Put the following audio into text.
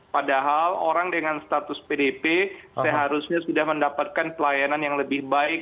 padahal orang dengan status pdp seharusnya sudah mendapatkan pelayanan yang lebih baik